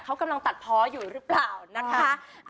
เขากำลังตัดเพาะอยู่หรือเปล่านะคะ